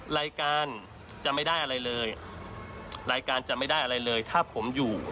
รายการจะไม่ได้อะไรเลยรายการจะไม่ได้อะไรเลยถ้าผมอยู่